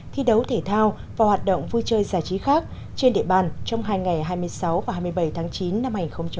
thi đấu thể thao và hoạt động vui chơi giải trí khác trên địa bàn trong hai ngày hai mươi sáu và hai mươi bảy tháng chín năm hai nghìn một mươi chín